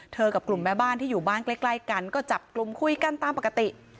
กับกลุ่มแม่บ้านที่อยู่บ้านใกล้กันก็จับกลุ่มคุยกันตามปกติ